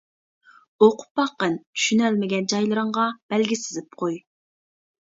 ئوقۇپ باققىن چۈشىنەلمىگەن جايلىرىڭغا بەلگە سىزىپ قوي.